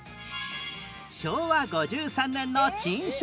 昭和５３年の珍商品